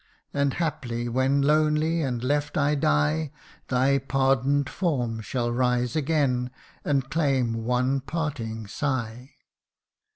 and haply when Lonely and left I die, Thy pardon'd form shall rise again And claim one parting sigh